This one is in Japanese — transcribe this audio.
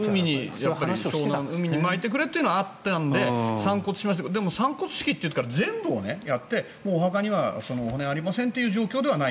海にまいてくれというのはあったので散骨しましたけど散骨式で全部やってお墓には骨がありませんという状況ではない。